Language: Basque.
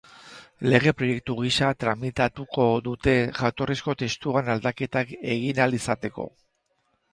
Lege-proiektu gisa tramitatuko dute, jatorrizko testuan aldaketak egin ahal izateko.